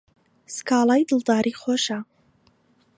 سکاڵای دڵداری خۆشە